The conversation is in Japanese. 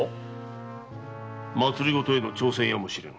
政への挑戦やも知れぬ。